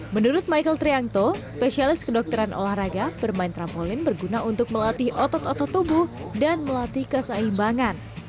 menurut michael triangto spesialis kedokteran olahraga bermain trampolin berguna untuk melatih otot otot tubuh dan melatih keseimbangan